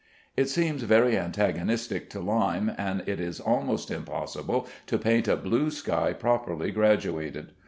It seems very antagonistic to lime, and it is almost impossible to paint a blue sky properly graduated.